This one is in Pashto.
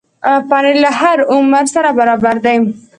پنېر له هر عمر سره برابر دی.